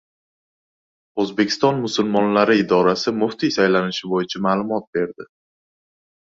O‘zbekiston musulmonlari idorasi muftiy saylanishi bo‘yicha ma’lumot berdi